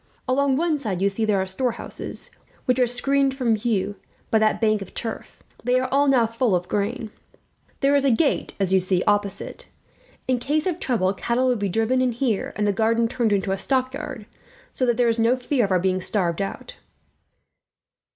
"Along one side you see there are storehouses, which are screened from view by that bank of turf. They are all full, now, of grain. There is a gate, as you see, opposite. In case of trouble cattle will be driven in there, and the garden turned into a stockyard, so that there is no fear of our being starved out."